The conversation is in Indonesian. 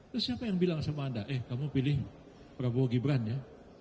terus siapa yang bilang sama anda eh kamu pilih prabowo gibran ya